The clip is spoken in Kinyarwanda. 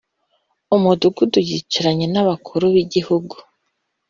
‘umudugudu, yicaranye n’abakuru b’igihugu